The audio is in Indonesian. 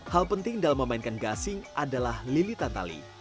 hal penting dalam memainkan gasing adalah lilitan tali